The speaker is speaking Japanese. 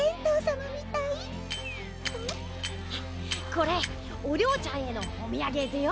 これお龍ちゃんへのおみやげぜよ！